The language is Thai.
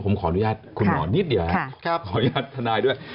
ผมขออนุญาตคุณหมอนิดเดียวขออนุญาตทนายด้วย